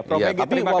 prof ege terima kasih